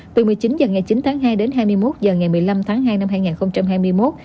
từ một mươi chín h ngày chín tháng hai đến hai mươi một h ngày một mươi năm tháng hai năm hai nghìn hai mươi một